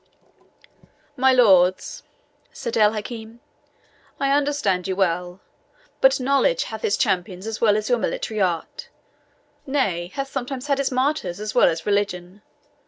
"My lords," said El Hakim, "I understand you well. But knowledge hath its champions as well as your military art nay, hath sometimes had its martyrs as well as religion.